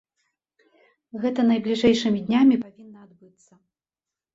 Гэта найбліжэйшымі днямі павінна адбыцца.